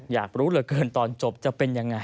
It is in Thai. อยากรู้เหลือเกินตอนจบจะเป็นยังไง